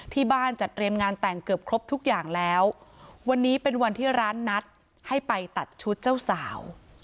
จัดเตรียมงานแต่งเกือบครบทุกอย่างแล้ววันนี้เป็นวันที่ร้านนัดให้ไปตัดชุดเจ้าสาว